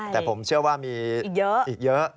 แต่ผมเชื่อว่ามีอีกเยอะ